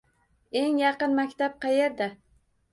Eng yaqin maktab qayerda?